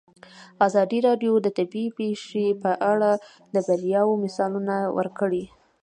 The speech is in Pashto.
ازادي راډیو د طبیعي پېښې په اړه د بریاوو مثالونه ورکړي.